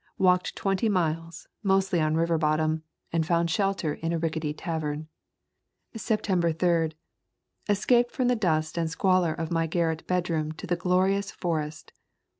Walked twenty miles, mostly on river bottom, and found shelter in a rickety tavern. September 3. Escaped from the dust and squalor of my garret bedroom to the glorious forest.